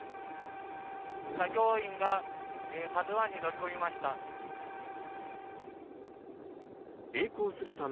作業員が「ＫＡＺＵ１」に乗り込みました。